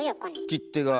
切手が。